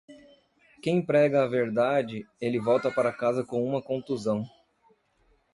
Quem prega a verdade, ele volta para casa com uma contusão.